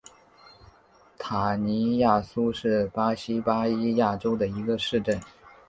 塔尼亚苏是巴西巴伊亚州的一个市镇。